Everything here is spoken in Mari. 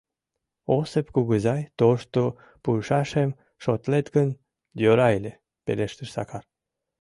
— Осып кугызай, тошто пуышашем шотлет гын, йӧра ыле, — пелештыш Сакар.